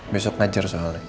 besok ngajar soalnya